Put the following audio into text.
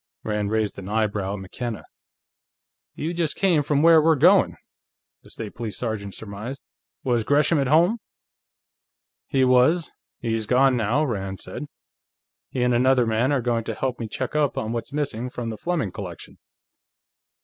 Rand raised an eyebrow at McKenna. "You just came from where we're going," the State Police sergeant surmised. "Was Gresham at home?" "He was; he's gone now," Rand said. "He and another man are going to help me check up on what's missing from the Fleming collection."